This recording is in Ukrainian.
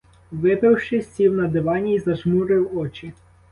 Випивши, сів на дивані й зажмурив очі.